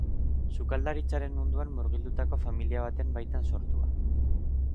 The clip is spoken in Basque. Sukaldaritzaren munduan murgildutako familia baten baitan sortua.